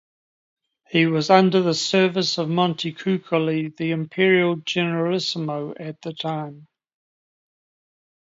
He was under the service of Montecuccoli, the Imperial Generalissimo at the time.